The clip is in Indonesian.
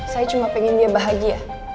saya cuma pengen dia bahagia